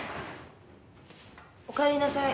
おかえりなさい。